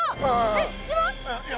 えっ島？